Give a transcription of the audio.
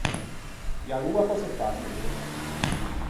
E aloa cöse fasso mi?